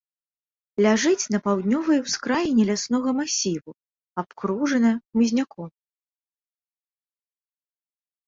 Ляжыць на паўднёвай ускраіне ляснога масіву, абкружана хмызняком.